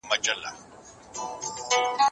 چي سړې ویني دي تودې له یوې چیغي سي بیا